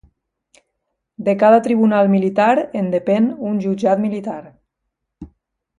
De cada Tribunal Militar en depén un Jutjat Militar.